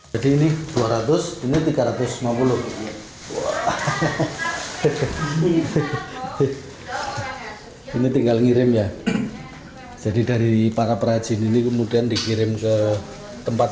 jadi ini dua ratus ini tiga ratus lima puluh ini tinggal ngirim ya jadi dari para perajin ini kemudian dikirim ke tempat